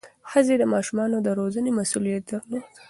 ښځې د ماشومانو د روزنې مسؤلیت درلود.